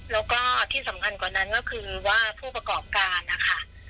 แล้วก็ที่สำคัญกว่านั้นก็คือว่าผู้ประกอบการนะคะ